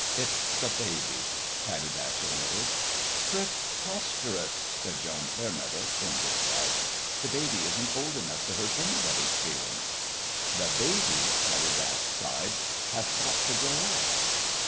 " It'th the baby," Pattie Batch admitted. " Preposterous !" said John Fairmeadow, in disgust ;" the baby isn't old enough to hurt anybody's feelings." " The baby," Pattie Batch sighed, " hath got t' grow up."